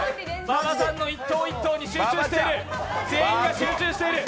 馬場さんの一投一投に集中している。